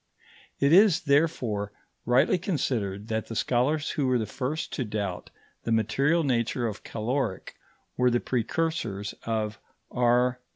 It is, therefore, rightly considered that the scholars who were the first to doubt the material nature of caloric were the precursors of R.